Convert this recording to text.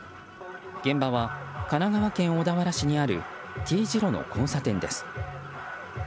現場は神奈川県小田原市にあるＴ字路の交差点です。